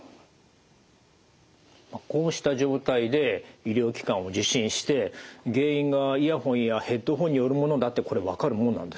こうした状態で医療機関を受診して原因がイヤホンやヘッドホンによるものだってこれ分かるものなんですか？